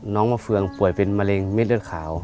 น้องมะเฟืองป่วยเป็นมะเร็งเม็ดเลือดขาว